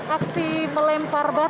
aksi melempar barang